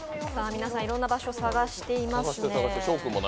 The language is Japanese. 皆さん、いろんな場所を探していますね。